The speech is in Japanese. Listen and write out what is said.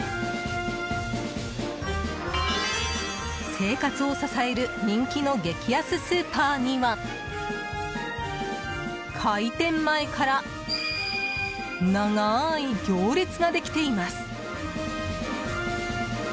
生活を支える人気の激安スーパーには開店前から長い行列ができています。